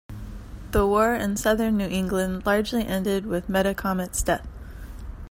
The war in southern New England largely ended with Metacomet's death.